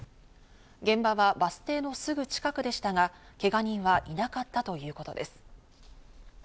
現場はバス停のすぐ近くでしたが、けが人はいなかったということです。